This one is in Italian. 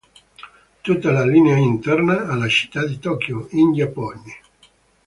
Tutta la linea è interna alla città di Tokyo, in Giappone.